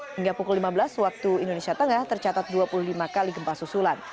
hingga pukul lima belas waktu indonesia tengah tercatat dua puluh lima kali gempa susulan